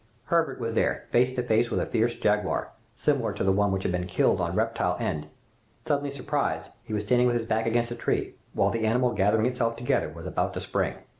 Herbert was there face to face with a fierce jaguar, similar to the one which had been killed on Reptile End. Suddenly surprised, he was standing with his back against a tree, while the animal gathering itself together was about to spring.